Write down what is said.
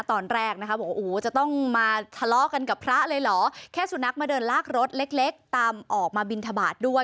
ตอนแรกนะคะบอกว่าโอ้โหจะต้องมาทะเลาะกันกับพระเลยเหรอแค่สุนัขมาเดินลากรถเล็กตามออกมาบินทบาทด้วย